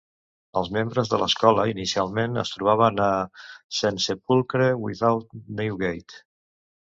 Els membres de l'escola inicialment es trobaven a St Sepulchre-without-Newgate.